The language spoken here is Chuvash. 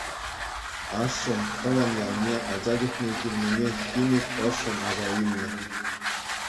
Ашшӗн тӑван ялне ача чухне килнине химик ӑшшӑн аса илнӗ.